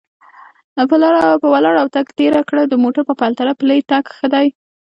په ولاړه او تګ تېره کړه، د موټر په پرتله پلی تګ ښه و.